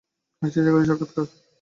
একটি চাকরির সাক্ষাৎকার?